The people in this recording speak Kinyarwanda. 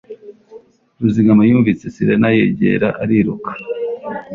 Ruzigama yumvise sirena yegera ariruka